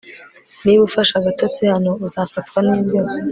Niba ufashe agatotsi hano uzafatwa nimbeho